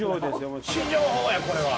新情報や！